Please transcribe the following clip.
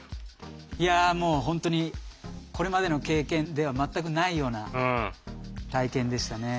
いやもう本当にこれまでの経験では全くないような体験でしたね。